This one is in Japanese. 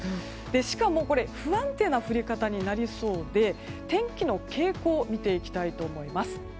しかも不安定な降り方になりそうで天気の傾向を見ていきたいと思います。